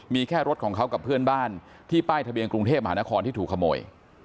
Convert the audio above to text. มีแค่รถของเขากับเพื่อนบ้านที่ป้ายทะเบียนกรุงเทพมหานครที่ถูกขโมย